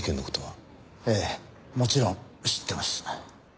ええもちろん知ってます。